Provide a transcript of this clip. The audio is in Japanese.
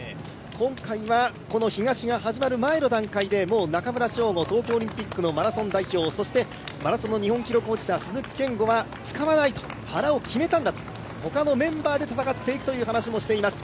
今回は東が始まる前の段階でもう中村匠吾、東京オリンピックのマラソン代表、そして、マラソンの日本記録保持者の鈴木健吾は使わないと腹を決めたんだと、他のメンバーで戦っていくという話もしています。